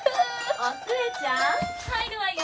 ・お寿恵ちゃん入るわよ！